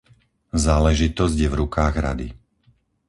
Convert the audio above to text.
Záležitosť je v rukách Rady.